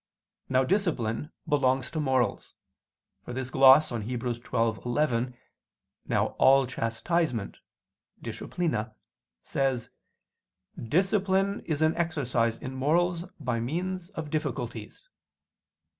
Now discipline belongs to morals; for this gloss on Heb. 12:11: "Now all chastisement (disciplina)," etc., says: "Discipline is an exercise in morals by means of difficulties."